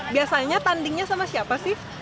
biasanya tandingnya sama siapa sih